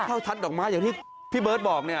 ทัดดอกไม้อย่างที่พี่เบิร์ตบอกเนี่ย